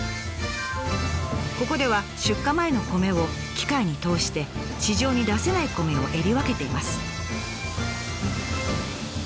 ここでは出荷前の米を機械に通して市場に出せない米をえり分けています。